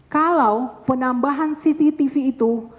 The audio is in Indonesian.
kalau penambahan cctv itu